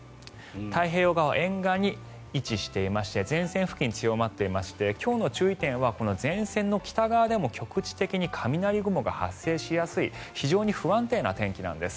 太平洋側沿岸に位置してしまして前線付近、強まっていまして今日の注意点はこの前線の北側でも局地的に雷雲が発生しやすい非常に不安定な天気なんです。